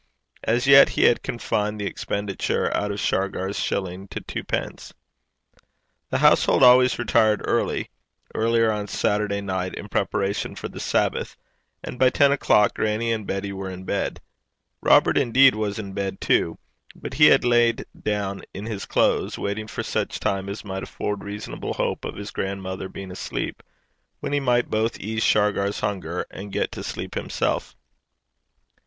As yet he had confined the expenditure out of Shargar's shilling to twopence. The household always retired early earlier on Saturday night in preparation for the Sabbath and by ten o'clock grannie and Betty were in bed. Robert, indeed, was in bed too; but he had lain down in his clothes, waiting for such time as might afford reasonable hope of his grandmother being asleep, when he might both ease Shargar's hunger and get to sleep himself.